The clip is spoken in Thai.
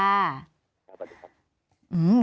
สวัสดีครับ